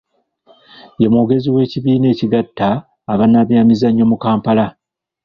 Ye mwogezi w’ekibiina ekigatta abannabyamizannyo mu Kampala.